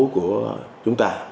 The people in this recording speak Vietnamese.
của chúng ta